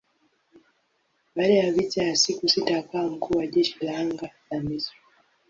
Baada ya vita ya siku sita akawa mkuu wa jeshi la anga la Misri.